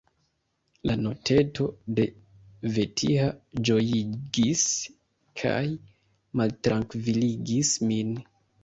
La noteto de Vetiha ĝojigis kaj maltrankviligis min.